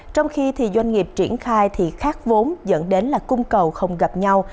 trong khi doanh nghiệp triển khai khác vốn dẫn đến cung cầu không gặp nhau